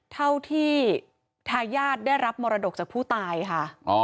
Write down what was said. เท่าที่ทายาทได้รับมรดกจากผู้ตายค่ะ